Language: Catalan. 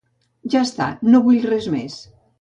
Ja està, no vull res més.